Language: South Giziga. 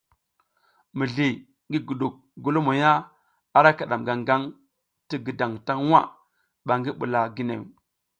Mizli ngi guɗuk golomoya ara kiɗam gangaŋ ti gǝdaŋ taŋ nwa ɓa ngi ɓula ginew.